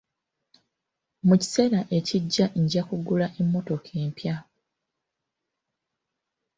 Mu kiseera ekijja nja kugula emmotoka empya.